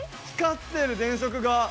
光ってる電飾が！